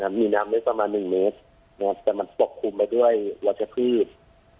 มีน้ำลึกประมาณหนึ่งเมตรแต่มันปกคลุมไปด้วยวัชพืช